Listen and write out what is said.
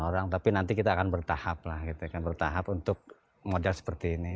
delapan orang tapi nanti kita akan bertahap lah kita akan bertahap untuk model seperti ini